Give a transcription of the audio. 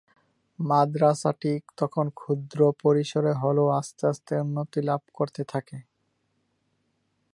মাদরাসাটি তখন ক্ষুদ্র পরিসরে হলেও আস্তে আস্তে উন্নতি লাভ করতে থাকে।